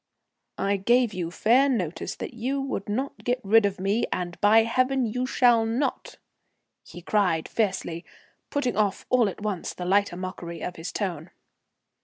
"I gave you fair notice that you would not get rid of me, and by heaven you shall not," he cried fiercely, putting off all at once the lighter mockery of his tone.